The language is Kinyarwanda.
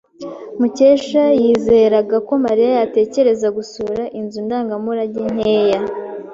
Mukesha yizeraga ko Mariya yatekereza gusura inzu ndangamurage nkeya.